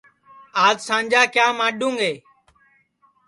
آج سانجا کیا ماڈُؔں گے